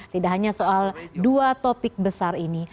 tidak hanya soal dua topik besar ini